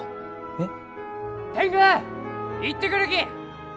えっ！？